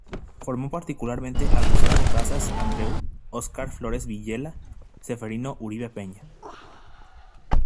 Formó particularmente a Gustavo Casas Andreu, Oscar Flores-Villela, Zeferino Uribe Peña.